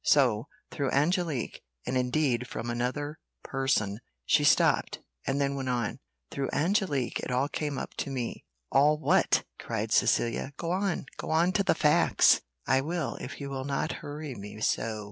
So, through Angelique, and indeed from another person " she stopped; and then went on "through Angelique it all came up to me." "All what?" cried Cecilia; "go on, go on to the facts." "I will, if you will not hurry me so.